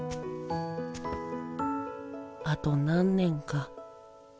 あと何年か。